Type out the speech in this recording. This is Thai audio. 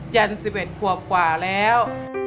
จันทร์๑๑ขวบกว่าแล้ว